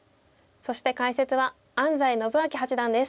そして解説は安斎伸彰八段です。